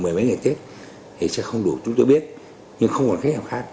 mười mấy ngày tết thì sẽ không đủ chúng tôi biết nhưng không còn khách hàng khác